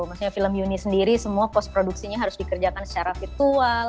maksudnya film uni sendiri semua pos produksinya harus dikerjakan secara virtual